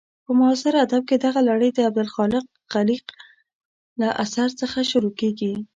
په معاصر ادب کې دغه لړۍ د عبدالخالق خلیق له اثر څخه شروع کېږي.